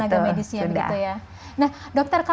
tenaga medisnya gitu ya